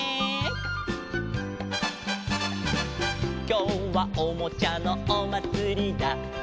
「きょうはおもちゃのおまつりだ」